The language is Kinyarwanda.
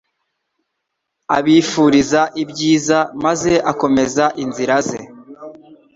abifuriza ibyiza maze akomeza inzira ze.